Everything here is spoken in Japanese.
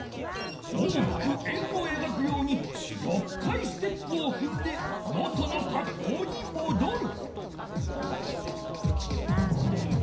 大きく円をえがくように６回ステップをふんで元のかっこうにもどる。